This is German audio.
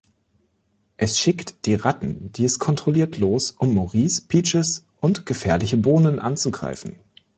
Es schickt die Ratten, die es kontrolliert, los, um Maurice, Peaches und Gefährliche Bohnen anzugreifen.